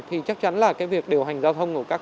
thì chắc chắn là việc điều hành giao thông